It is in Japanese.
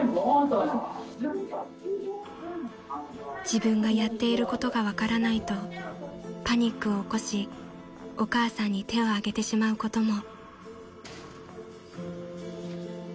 ［自分がやっていることが分からないとパニックを起こしお母さんに手を上げてしまうことも］